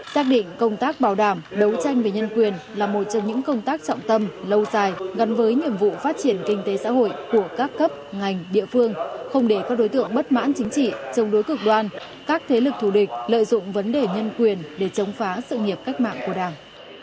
xác định công tác bảo đảm đấu tranh về nhân quyền là một trong những công tác trọng tâm lâu dài gắn với nhiệm vụ phát triển kinh tế xã hội của các cấp ngành địa phương không để các đối tượng bất mãn chính trị chống đối cực đoan các thế lực thù địch lợi dụng vấn đề nhân quyền để chống phá sự nghiệp cách mạng của đảng